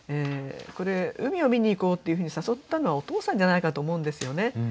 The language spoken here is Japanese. これ海を見に行こうっていうふうに誘ったのはお父さんじゃないかと思うんですよね。